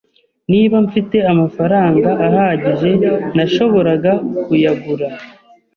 Niba mfite amafaranga ahagije, nashoboraga kuyagura.